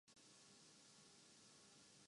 Brazil